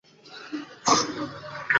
এতো শক্তি দাও আমাকে যাতে আমি তাকে ভুলতে পারি।